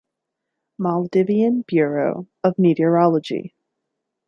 Maldivian Bureau of Meteorology.